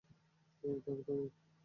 থামো, থামো।